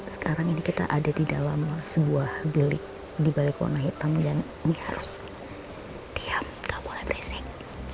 sekarang ini kita ada di dalam sebuah bilik di balik warna hitam dan harus diam gak boleh beresing